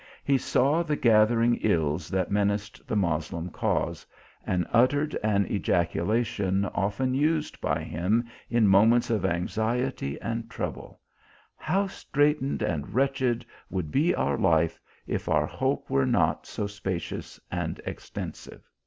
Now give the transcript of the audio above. He saw the gathering ills that menaced the Moslem cause, and uttered an ejaculation often used by him in moments of anxiety and trouble :" How straitened and wretched would be our life, if our hope were not so spacious and extensive."